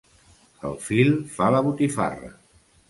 El fil fa la botifarra.